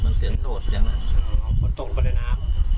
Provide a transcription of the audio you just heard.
เหมือนเสียงโดดเหมือนเสียงอ๋อคนตกลงไปในน้ำ